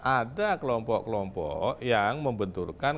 ada kelompok kelompok yang membenturkan